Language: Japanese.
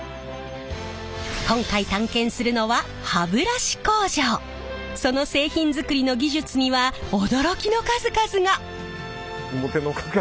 今回探検するのはその製品づくりの技術には驚きの数々が！